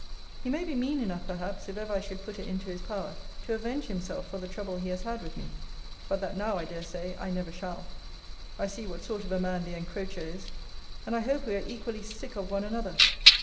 He may be mean enough perhaps, if ever I should put it into his power, to avenge himself for the trouble he has had with me. But that now, I dare say, I never shall. I see what sort of a man the encroacher is. And I hope we are equally sick of one another.